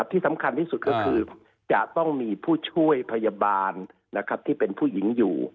ที่สำคัญที่สุดก็คือจะต้องมีผู้ช่วยพยาบาลที่เป็นผู้หญิงอยู่